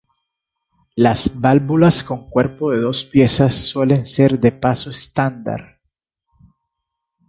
Las válvulas con cuerpo de dos piezas suelen ser de paso estándar.